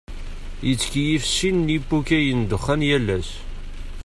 Yettkeyyif sin n yipukay n ddexxan yal ass.